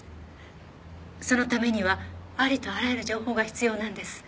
そのためにはありとあらゆる情報が必要なんです。